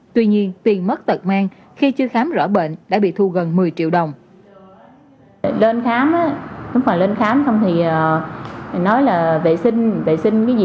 tuy nhiên tiền mất tật mang khi chưa khám rõ bệnh đã bị thu gần một mươi triệu đồng